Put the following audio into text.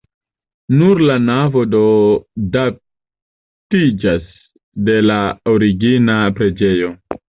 Nur la navo do datiĝas de la origina preĝejo.